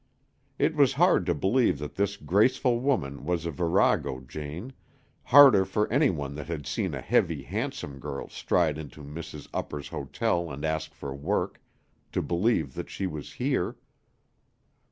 It was hard to believe that this graceful woman was the virago Jane, harder for any one that had seen a heavy, handsome girl stride into Mrs. Upper's hotel and ask for work, to believe that she was here.